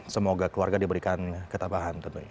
semoga keluarga diberikan ketabahan tentunya